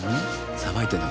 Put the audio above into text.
さばいてるの？